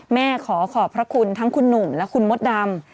แม่ขอขอบพระคุณทั้งคุณหนุ่มและคุณมดดำ